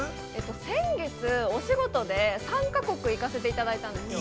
◆先月、お仕事で３か国に行かせていただいたんですよ。